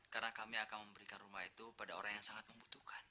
karena kami akan memberikan rumah itu pada orang yang sangat membutuhkan